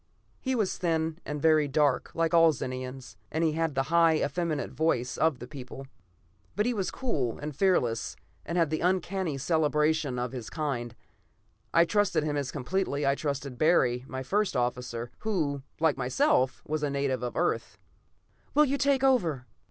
He was thin and very dark, like all Zenians, and had the high, effeminate voice of that people. But he was cool and fearless and had the uncanny cerebration of his kind; I trusted him as completely as I trusted Barry, my first officer, who, like myself, was a native of Earth. "Will you take over?"